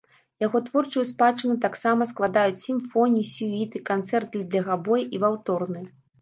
Яго творчую спадчыну таксама складаюць сімфоніі, сюіты, канцэрты для габоя і валторны.